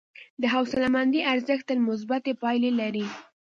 د حوصلهمندي ارزښت تل مثبتې پایلې لري.